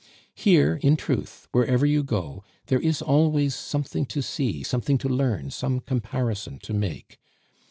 Here, in truth, wherever you go, there is always something to see, something to learn, some comparison to make.